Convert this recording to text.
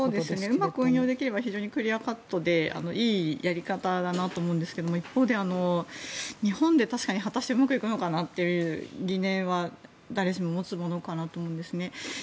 うまく運用できれば非常にクリアパットでいいやり方だなと思うんですが一方で日本で確かに果たしてうまくいくのかなという疑念は誰しも持つものかと思うんです。